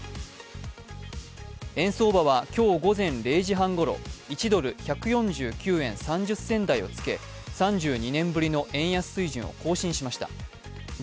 円相場は今日午前０時半ごろ、１ドル＝１４９円３０銭台をつけ３２年ぶりの円安水準を更新しました。